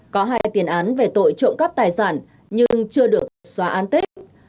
có hai tiền án về tội trộm cắp tài sản nhưng chưa được xóa an tết